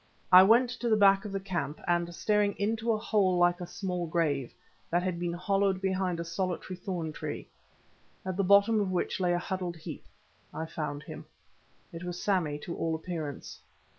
I went to the back of the camp and, staring into a hole like a small grave, that had been hollowed behind a solitary thorn tree, at the bottom of which lay a huddled heap, I found him. It was Sammy to all appearance.